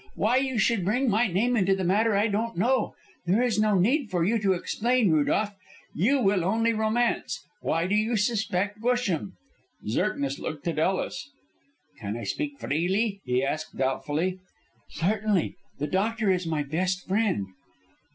"Why you should bring my name into the matter I don't know. There is no need for you to explain, Rudolph; you will only romance. Why do you suspect Busham?" Zirknitz looked at Ellis. "Can I speak freely?" he asked doubtfully. "Certainly. The doctor is my best friend."